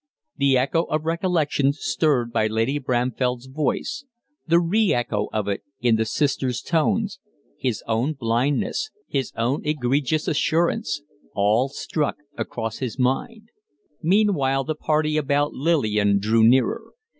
The echo of recollection stirred by Lady Bramfell's voice, the re echo of it in the sister's tones; his own blindness, his own egregious assurance all struck across his mind. Meanwhile the party about Lillian drew nearer.